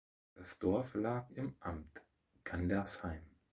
Das Dorf lag im Amt Gandersheim.